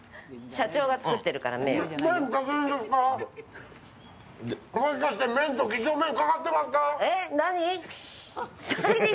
社長が作ってるから、麺を。